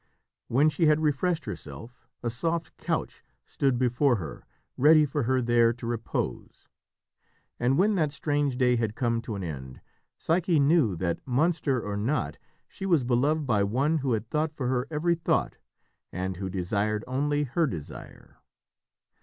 When she had refreshed herself, a soft couch stood before her, ready for her there to repose, and when that strange day had come to an end, Psyche knew that, monster or not, she was beloved by one who had thought for her every thought, and who desired only her desire.